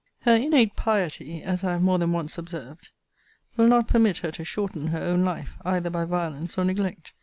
Her innate piety (as I have more than once observed) will not permit her to shorten her own life, either by violence or neglect.